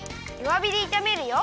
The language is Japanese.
わびでいためるよ。